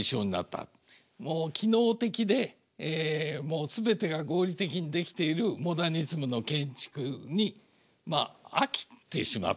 もう機能的で全てが合理的に出来ているモダニズムの建築にまあ飽きてしまって。